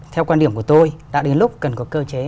theo quan điểm của tôi đã đến lúc cần có cơ chế